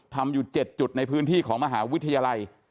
ทำอยู่๗จุดในพื้นที่ของมหาวิทยาลัย